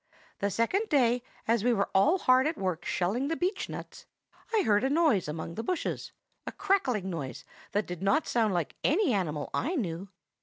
"The second day, as we were all hard at work shelling the beechnuts, I heard a noise among the bushes,—a crackling noise that did not sound like any animal I knew.